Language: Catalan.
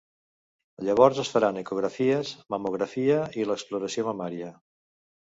Llavors es faran ecografies, mamografia i l'exploració mamària.